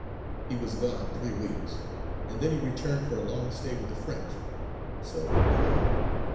He was gone three weeks and then he returned for a long stay with the French. So it went on.